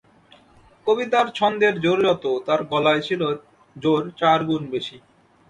কবিতার ছন্দের জোর যত, তার গলায় ছিল জোর চার গুণ বেশি।